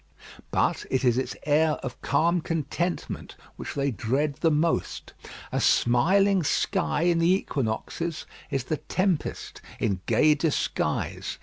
But it is its air of calm contentment which they dread the most. A smiling sky in the equinoxes is the tempest in gay disguise.